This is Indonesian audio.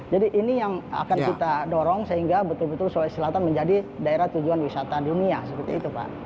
jadi ini yang akan kita dorong sehingga betul betul sulawesi selatan menjadi daerah tujuan wisata dunia seperti itu pak